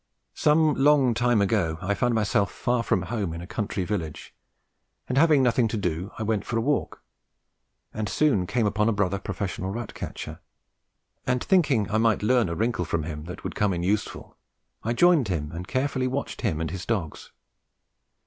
Some long time ago I found myself far from home in a country village, and having nothing to do, I went for a walk, and soon came upon a brother professional rat catcher; and thinking I might learn a wrinkle from him that would come in useful, I joined him and carefully watched him and his dogs.